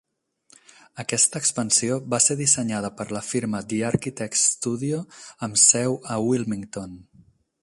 Aquesta expansió va ser dissenyada per la firma The Architects Studio amb seu a Wilmington.